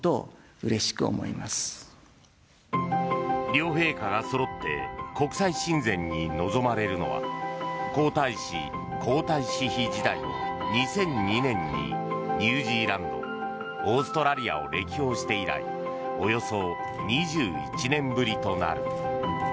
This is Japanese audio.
両陛下がそろって国際親善に臨まれるのは皇太子・皇太子妃時代の２００２年にニュージーランドオーストラリアを歴訪して以来およそ２１年ぶりとなる。